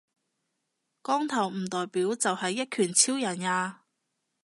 光頭唔代表就係一拳超人呀